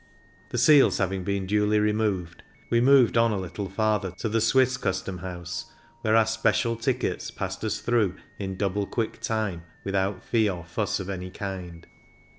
The seals having been duly removed, we moved on a little farther to the Swiss custom house, where our " special " tickets passed us through in " double quick " time, without fee or fuss of any kind.